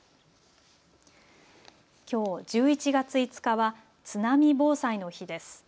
きょう１１月５日は津波防災の日です。